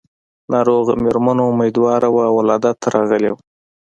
ناروغه مېرمنه اميدواره وه او ولادت ته راغلې وه.